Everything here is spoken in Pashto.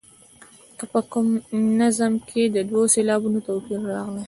که په کوم نظم کې د دوو سېلابونو توپیر راغلی.